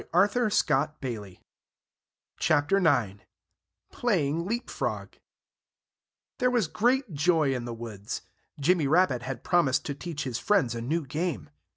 [Illustration: 9 Playing Leap Frog] 9 Playing Leap Frog There was great joy in the woods. Jimmy Rabbit had promised to teach his friends a new game.